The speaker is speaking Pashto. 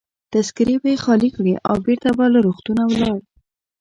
تذکیرې به يې خالي کړې او بیرته به له روغتونه ولاړل.